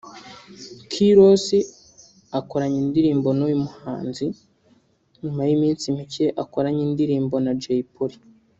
K-Ross akoranye indirimbo n’uyu muhanzi nyuma y’iminsi mike akoranye indi ndirimbo na Jay Polly